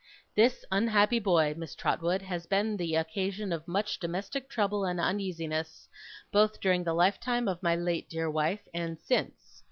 This unhappy boy, Miss Trotwood, has been the occasion of much domestic trouble and uneasiness; both during the lifetime of my late dear wife, and since.